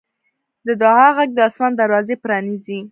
د دعا غږ د اسمان دروازې پرانیزي.